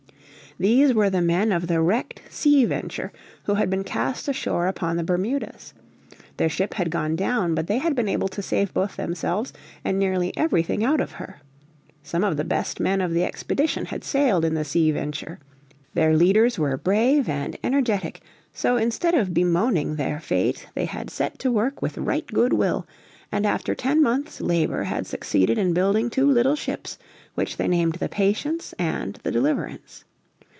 These were the men of the wrecked Sea Venture, who had been cast ashore upon the Bermudas. Their ship had gone down, but they had been able to save both themselves and nearly everything out of her. Some of the best men of the expedition had sailed in the Sea Venture. Their leaders were brave and energetic; so instead of bemoaning their fate they had set to work with right good will, and after ten months' labour had succeeded in building two little ships which they named the Patience and the Deliverance.